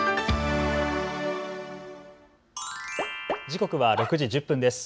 時刻は６時１０分です。